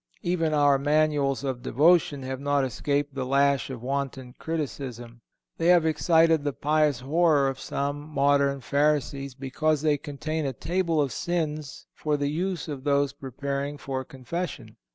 Even our Manuals of Devotion have not escaped the lash of wanton criticism. They have excited the pious horror of some modern Pharisees because they contain a table of sins for the use of those preparing for confession.